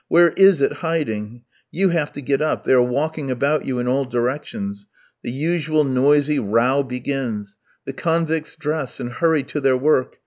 Where is it hiding? You have to get up, they are walking about you in all directions. The usual noisy row begins. The convicts dress, and hurry to their work.